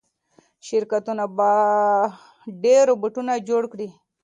شرکتونه به ډېر روباټونه جوړ کړي.